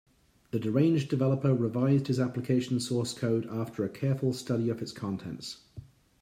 The deranged developer revised his application source code after a careful study of its contents.